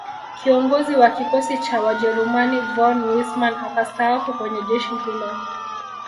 Kiongozi wa Kikosi cha Wajerumani von Wissmann akastaafu kwenye jeshi hilo